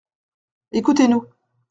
Écoutez-nous.